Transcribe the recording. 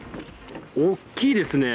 大きいですね。